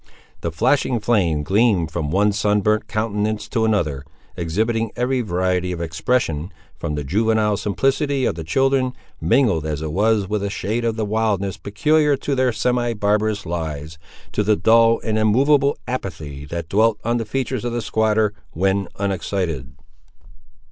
The flashing flame gleamed from one sun burnt countenance to another, exhibiting every variety of expression, from the juvenile simplicity of the children, mingled as it was with a shade of the wildness peculiar to their semi barbarous lives, to the dull and immovable apathy that dwelt on the features of the squatter, when unexcited.